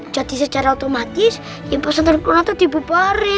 jadi secara otomatis ya pas nekunanto dibubarin